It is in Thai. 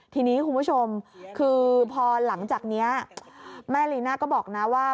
ทีนี้คุณผู้ชมคือพอหลังจากนี้แม่ลีน่าก็บอกนะว่า